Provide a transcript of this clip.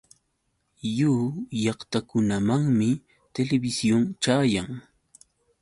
Lliw llaqtakunamanmi televisión chayan.